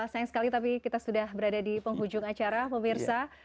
sayang sekali tapi kita sudah berada di penghujung acara pemirsa